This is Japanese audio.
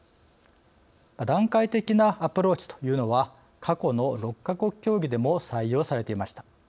段階的なアプローチというのは過去の６か国協議でも採用されていました。